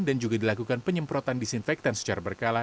dan juga dilakukan penyemprotan disinfektan secara berkala